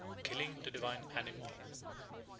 Killing the Divine Animal 1.